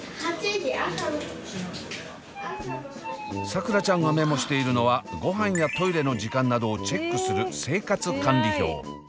桜ちゃんがメモしているのはごはんやトイレの時間などをチェックする生活管理表。